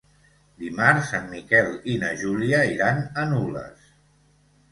Dimarts en Miquel i na Júlia iran a Nules.